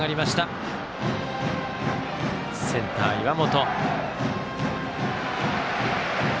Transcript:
センター、岩本。